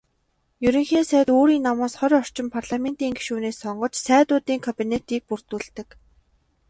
Ерөнхий сайд өөрийн намаас хорь орчим парламентын гишүүнийг сонгож "Сайдуудын кабинет"-ийг бүрдүүлдэг.